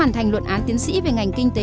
các bạn có thể chia sẻ với chúng tôi